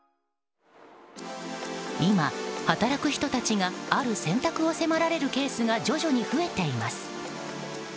今、働く人たちがある選択を迫られるケースが徐々に増えています。